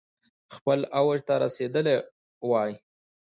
خپل اوج ته رسیدلي ؤ